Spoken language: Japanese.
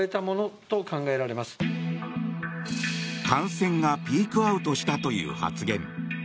感染がピークアウトしたという発言。